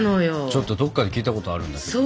ちょっとどっかで聞いたことあるんだけど。